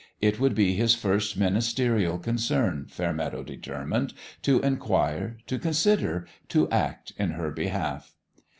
It would be his first ministerial concern, Fairmeadow determined, to inquire, to consider, to act in her behalf.